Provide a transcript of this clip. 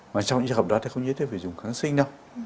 mà trong trường hợp đó thì không như thế về dùng kháng sinh đâu